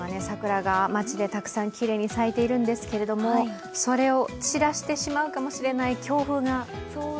桜が街でたくさんきれいに咲いているんですけれども、それを散らしてしまうかもしれない強風が。